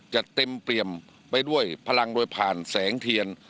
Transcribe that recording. จะเต็มเปี่ยมไปด้วยพลังโดยผ่านแสงเทียน